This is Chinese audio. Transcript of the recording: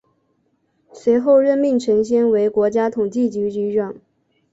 随后任命陈先为国家统计局局长。